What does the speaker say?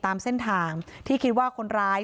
ตามเส้นทางที่คิดว่าคนร้าย